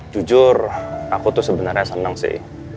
jujur aku tuh sebenarnya senang sih